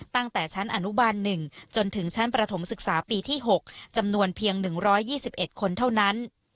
ตั้งแต่ชั้นอนุบาล๑จนถึงชั้นประถมศึกษาปีที่๖จำนวนเพียง๑๒๑คนเท่านั้น